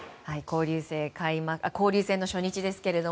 交流戦の初日ですけど